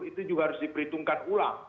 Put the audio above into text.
itu juga harus diperhitungkan ulang